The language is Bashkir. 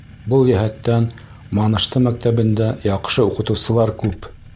Был йәһәттән Манышты мәктәбендә яҡшы уҡытыусылар күп.